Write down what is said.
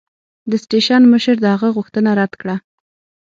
د سټېشن مشر د هغه غوښتنه رد کړه.